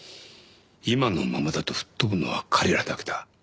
今のままだと吹っ飛ぶのは彼らだけだ。